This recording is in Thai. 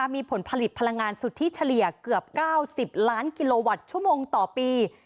มีผลผลิตพลังงานสุทธิเฉลี่ยเกือบ๙๐ล้านกิโลวัตต์ชั่วโมงต่อปี